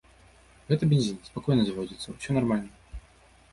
Гэта бензін, спакойна заводзіцца, усё нармальна.